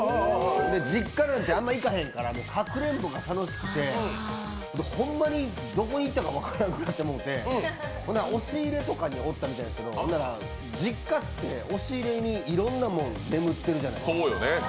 実家なんてあんま行かへんからかくれんぼが楽しくてホンマにどこに行ったか分からんくなってもうて、押し入れとかにいたみたいなんですけど、実家って押し入れにいろんなもん眠ってるじゃないですか。